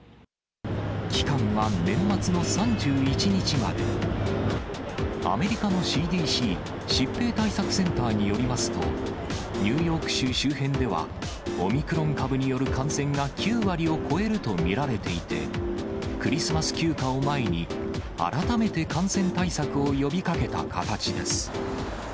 期間は年末の３１日まで、アメリカのＣＤＣ・疾病対策センターによりますと、ニューヨーク州周辺では、オミクロン株による感染が９割を超えると見られていて、クリスマス休暇を前に、改めて感染対策を呼びかけた形です。